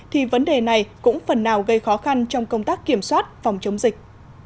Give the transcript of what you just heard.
thì vấn đề này cũng phần nào gây khó khăn trong công tác kiểm soát phòng chống dịch